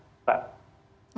mereka tidak bisa mengusnahkan